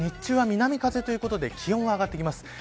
日中は南風ということで気温は上がってきます。